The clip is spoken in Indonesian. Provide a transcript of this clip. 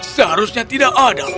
seharusnya tidak ada